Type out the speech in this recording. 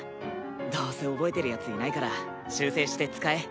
どうせ覚えてるヤツいないから修整して使え。